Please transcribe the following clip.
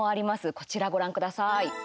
こちら、ご覧ください。